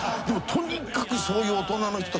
でもとにかくそういう。